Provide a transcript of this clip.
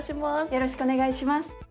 よろしくお願いします。